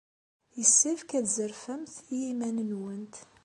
Yessefk ad tzerfemt i yiman-nwent.